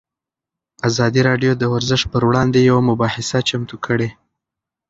ازادي راډیو د ورزش پر وړاندې یوه مباحثه چمتو کړې.